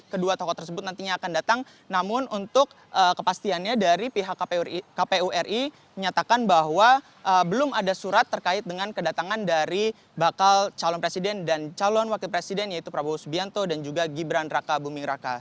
kedua tokoh tersebut nantinya akan datang namun untuk kepastiannya dari pihak kpu ri menyatakan bahwa belum ada surat terkait dengan kedatangan dari bakal calon presiden dan calon wakil presiden yaitu prabowo subianto dan juga gibran raka buming raka